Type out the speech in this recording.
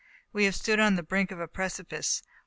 We have stood on the brink of a precipice.